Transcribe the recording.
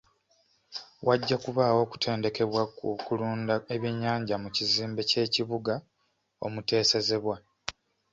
Wajja kubaawo okutendekebwa ku kulunda ebyennyanja mu kizimbe ky'ekibuga omuteesezebwa.